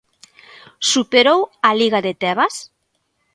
Superou a Liga de Tebas?